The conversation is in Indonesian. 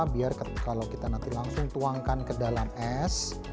biar kalau kita nanti langsung tuangkan ke dalam es